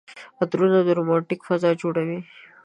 عطرونه د رومانتيک فضا جوړوي.